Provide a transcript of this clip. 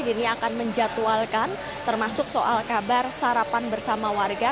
dirinya akan menjatuhalkan termasuk soal kabar sarapan bersama warga